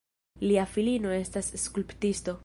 Lia filino estas skulptisto.